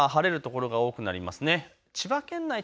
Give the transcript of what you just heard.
あす朝は晴れる所が多くなります。